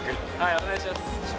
お願いします。